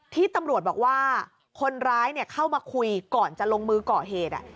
ที่ตำรวจบอกว่าคนร้ายเข้ามาคุยก่อนจะลงมือก่อเหตุ